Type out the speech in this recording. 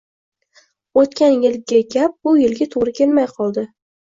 O’tgan yilgi gap bu yilga to‘g‘ri kelmay qoldi.